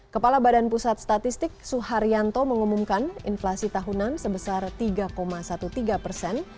kepala badan pusat statistik suharyanto mengumumkan inflasi tahunan sebesar tiga tiga belas persen